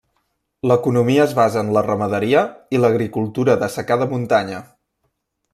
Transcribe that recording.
L'economia es basa en la ramaderia i l'agricultura de secà de muntanya.